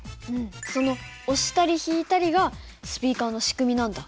その押したり引いたりがスピーカーの仕組みなんだ。